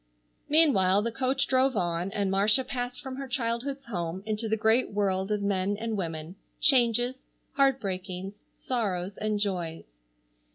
Meanwhile the coach drove on, and Marcia passed from her childhood's home into the great world of men and women, changes, heartbreakings, sorrows and joys.